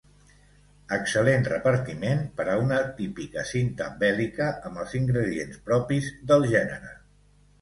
Excel·lent repartiment per a una típica cinta bèl·lica amb els ingredients propis del gènere.